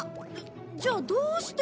じゃあどうして？